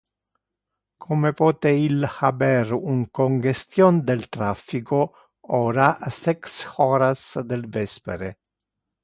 Como pote il haber un congestion del traffico ora, a sex horas del vespere?